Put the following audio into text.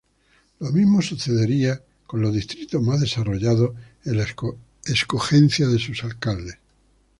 Lo mismo sucedería con los distritos más desarrollados en la escogencia de sus alcaldes.